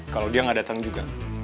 kalau dia nggak datang juga